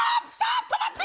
止まった！